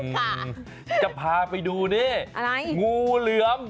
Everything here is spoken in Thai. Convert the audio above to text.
ที่จะพาไปดูกูเหลือม